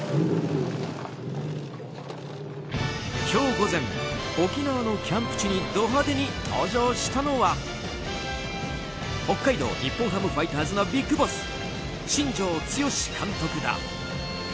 今日午前、沖縄のキャンプ地にド派手に登場したのは北海道日本ハムファイターズのビッグボス、新庄剛志監督だ。